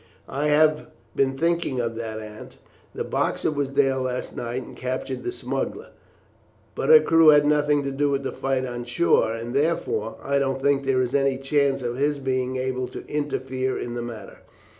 "I have been thinking of that, Aunt. The Boxer was there last night and captured the smuggler, but her crew had nothing to do with the fight on shore; and, therefore, I don't think there is any chance of his being able to interfere in the matter.